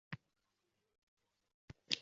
Birgina Nomus indamay turardi